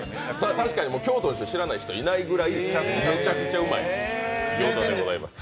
確かに京都の人知らない人いないぐらいむちゃくちゃうまいギョーザでございます。